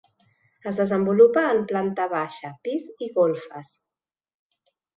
Es desenvolupa en planta baixa, pis i golfes.